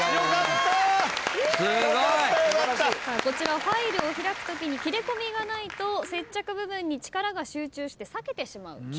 こちらはファイルを開くときに切れこみがないと接着部分に力が集中して裂けてしまう。